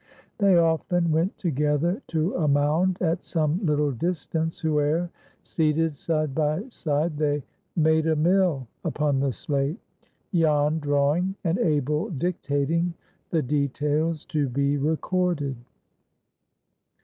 They often went together to a mound at some little distance, where, seated side by side, they "made a mill" upon the slate, Jan drawing, and Abel dictating the details to be recorded.